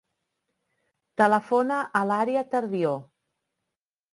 Telefona a l'Aria Tardio.